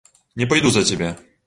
Не пайду за цябе!